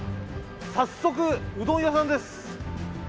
早速うどん屋さんです。